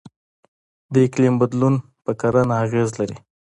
د اقلیم بدلون په کرنه اغیز لري.